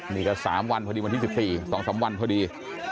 นี่ก็๓วันพอดีวันที่๑๔๒๓วันพอดี